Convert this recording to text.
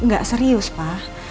gak serius pa